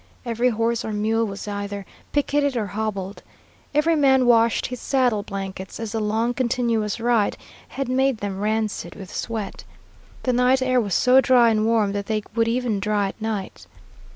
Every horse or mule was either picketed or hobbled. Every man washed his saddle blankets, as the long continuous ride had made them rancid with sweat. The night air was so dry and warm that they would even dry at night.